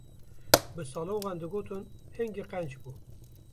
Bi saloxan digotin hingî qenc bû.